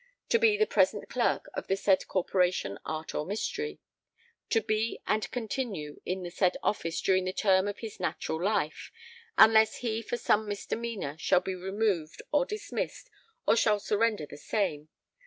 to be the present Clerk of the said corporation art or mystery, to be and continue in the said office during the term of his natural life, unless he for some misdemeanour shall be removed or dismissed or shall surrender the same